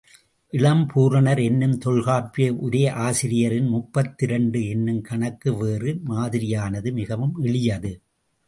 இளம்பூரணர் என்னும் தொல்காப்பிய உரையாசிரியரின் முப்பத்திரண்டு என்னும் கணக்கு வேறு மாதிரியானது மிகவும் எளியது.